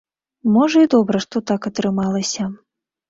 Можа, і добра, што так атрымалася.